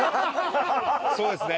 そうですね！